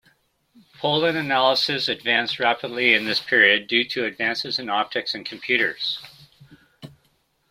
Pollen analysis advanced rapidly in this period due to advances in optics and computers.